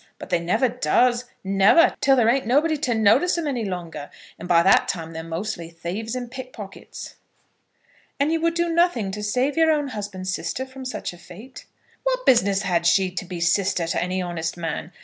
But they never does, never, till there ain't nobody to notice 'em any longer; and by that time they're mostly thieves and pickpockets." "And you would do nothing to save your own husband's sister from such a fate?" "What business had she to be sister to any honest man?